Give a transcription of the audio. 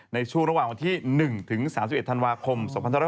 ในช่วงระหว่างวันที่๑ถึง๓๑ธันวาคม๒๕๖๒